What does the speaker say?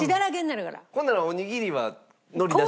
ほんならおにぎりは海苔なし？